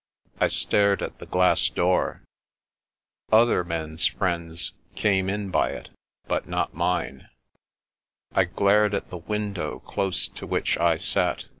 I stared at the glass door. Other men's friends came The Boy's Sister 361 in by it, but not mine. I glared at the window close to which I sat.